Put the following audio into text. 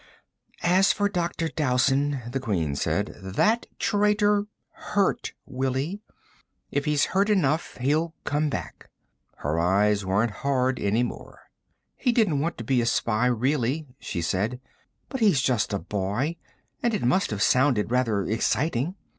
"As for Dr. Dowson," the Queen said, "that traitor ... hurt Willie. If he's hurt enough, he'll come back." Her eyes weren't hard any more. "He didn't want to be a spy, really," she said, "but he's just a boy, and it must have sounded rather exciting.